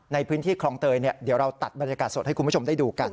ในพื้นที่คลองเตยเดี๋ยวเราตัดบรรยากาศสดให้คุณผู้ชมได้ดูกัน